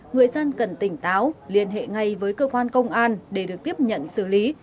người dân cần tỉnh táo liên hệ ngay với cơ quan công an để được tiếp nhận xử lý